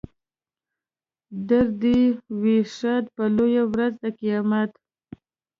در دې وي ښاد په لویه ورځ د قیامت.